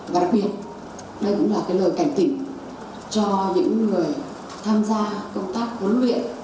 và đặc biệt đây cũng là cái lời cảnh tỉnh cho những người tham gia công tác huấn luyện